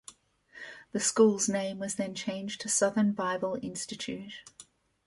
The school's name was then changed to Southern Bible Institute.